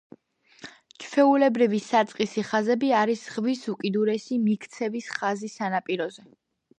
ჩვეულებრივი საწყისი ხაზები არის ზღვის უკიდურესი მიქცევის ხაზი სანაპიროზე.